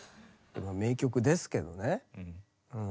名曲ですけどねうん。